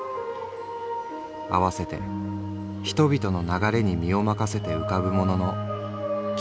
併せて人々の流れに身を任せて浮かぶ者の気楽さも」。